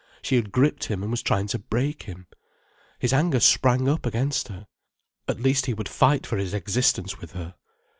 She had gripped him and was trying to break him. His anger sprang up, against her. At least he would fight for his existence with her.